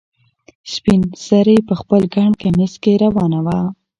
سپین سرې په خپل ګڼ کمیس کې روانه وه.